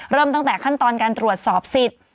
เริ่มตั้งแต่ขั้นตอนการตรวจสอบสิทธิ์